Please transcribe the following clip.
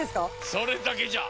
それだけじゃ。